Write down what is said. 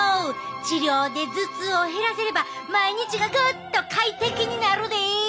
治療で頭痛を減らせれば毎日がグッと快適になるで！